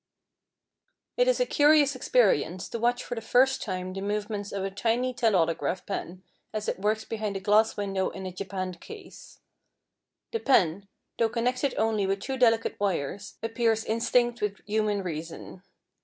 It is a curious experience to watch for the first time the movements of a tiny Telautograph pen as it works behind a glass window in a japanned case. The pen, though connected only with two delicate wires, appears instinct with human reason.